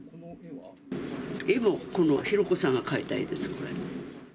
絵も、この浩子さんが描いた絵です、これ。